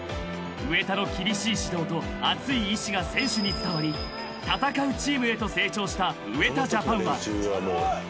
［植田の厳しい指導と熱い意志が選手に伝わり戦うチームへと成長した植田ジャパンは］